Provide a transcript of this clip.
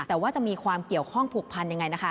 แต่ว่าจะมีความเกี่ยวข้องผูกพันยังไงนะคะ